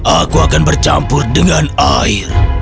aku akan bercampur dengan air